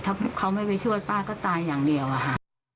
ถ้าเขาไม่ไปช่วยป้าก็ตายอย่างเดียวอะค่ะ